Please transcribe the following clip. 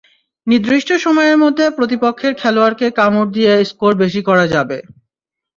নির্দিষ্ট সময়ের মধ্যে প্রতিপক্ষের খেলোয়াড়কে কামড় দিয়ে স্কোর বেশি করা যাবে।